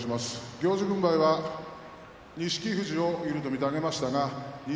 行司軍配は錦富士を有利と見て上げましたが錦